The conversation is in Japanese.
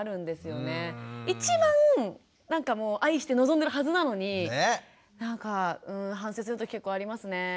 一番なんかもう愛して望んでるはずなのになんかうん反省する時結構ありますね。